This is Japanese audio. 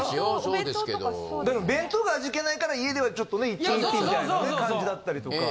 だから弁当が味気ないから家ではちょっとね１品１品みたいな感じだったりとか。